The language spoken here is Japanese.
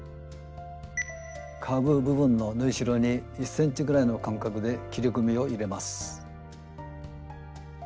カーブ部分の縫いしろに１ｃｍぐらいの間隔で切り込みを入れます。